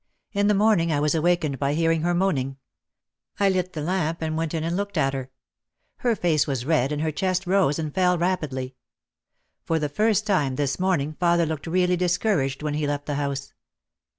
In the morning I was awakened by hearing her moan ing. I lit the lamp and went in and looked at her. Her face was red and her chest rose and fell rapidly. For the first time this morning father looked really discour aged when he left the house.